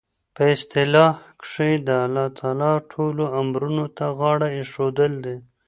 په اصطلاح کښي د الله تعالی ټولو امورو ته غاړه ایښودل دي.